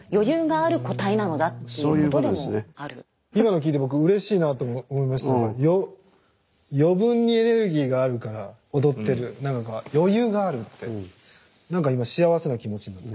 今の聞いて僕うれしいなと思いまして余分にエネルギーがあるから踊ってるなのか余裕があるって何か今幸せな気持ちに。